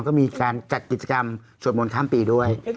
ก็มีการจัดกิจกรรมสวดมนต์ข้ามปีด้วย